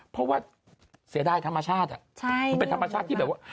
เพราะว่าเสียดายธรรมชาติมันเป็นธรรมชาติที่แบบว่า